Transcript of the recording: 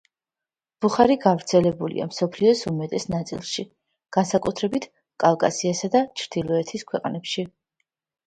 ბუხარი გავრცელებულია მსოფლიოს უმეტეს ნაწილში, განსაკუთრებით კავკასიასა და ჩრდილოეთის ქვეყნებში.